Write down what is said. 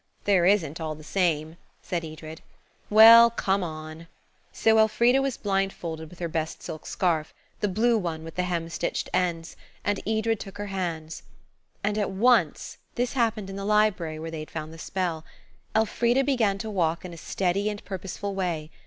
"There isn't, all the same," said Edred. "Well, come on." So Elfrida was blindfolded with her best silk scarf–the blue one with the hem stitched ends–and Edred took her hands. And at once–this happened in the library, where they had found the spell–Elfrida began to walk in a steady and purposeful way.